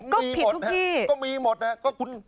ก็ผิดทุกที่มีหมดนะครับก็มีหมดนะครับคุณ